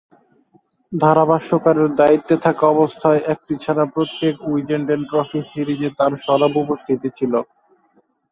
ধারাভাষ্যকারের দায়িত্বে থাকা অবস্থায় একটি ছাড়া প্রত্যেক উইজডেন ট্রফি সিরিজে তার সরব উপস্থিতি ছিল।